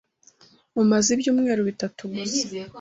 Mumaze ibyumweru bitatu gusa.